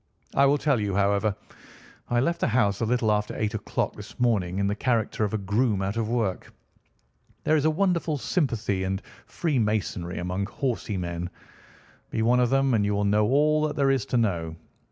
I will tell you, however. I left the house a little after eight o'clock this morning in the character of a groom out of work. There is a wonderful sympathy and freemasonry among horsey men. Be one of them, and you will know all that there is to know.